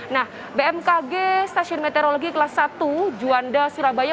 nah bmkg stasiun meteorologi kelas satu juanda surabaya